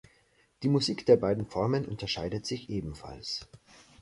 Die Musik der beiden Formen unterscheidet sich ebenfalls.